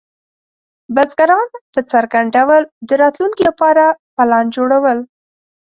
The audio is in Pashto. بزګران په څرګند ډول د راتلونکي لپاره پلان جوړول.